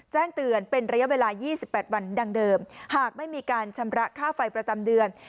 แจ้งเตือนเป็นระยะเวลา๒๘วันดังเดิมหากไม่มีการชำระค่าไฟประจำเดือน